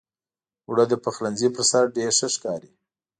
اوړه د پخلنځي پر سر ډېر ښه ښکاري